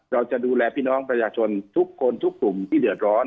เราจะดูแลพี่น้องประชาชนทุกคนทุกกลุ่มที่เดือดร้อน